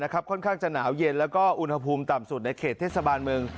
ค่อนข้างจะหนาวเย็นแล้วก็อุณหภูมิต่ำสุดในเขตเทศบาลเมือง